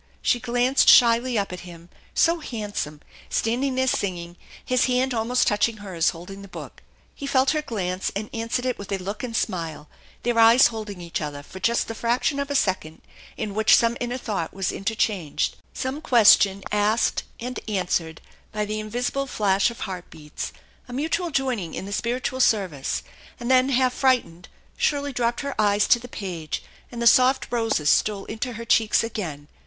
She glanced shyly up at him, so hand some, standing there singing, his hand almost touching hers holding the book. He felt her glance and answered it with a look and smile, their eyes holding each other for just the fraction of a second in which some inner thought was inter changed, some question asked and answered by the invisible* flash of heart beats, a mutual joining in the spiritual service, and then half frightened Shirley dropped her eyes to the page and the soft roses stole into her cheeks again.